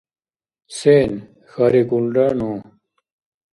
— Сен? — хьарикӀулра ну.